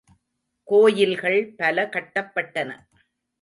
கோயில்கள் பல கட்டப்பட்டன.